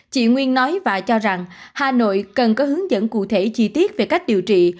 chị nguyên nói và cho rằng hà nội cần có hướng dẫn cụ thể chi tiết về cách điều trị